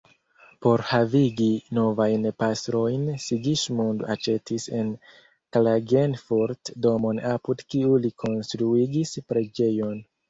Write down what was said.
Por havigi novajn pastrojn Sigismund aĉetis en Klagenfurt domon apud kiu li konstruigis preĝejon.